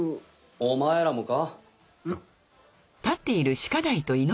お前らもか？